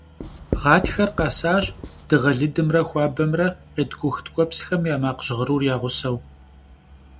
Ğatxer khesaş dığe lıdımre xuabemre, khêtk'ux tk'uepsxem ya makh jğırur ya ğuseu.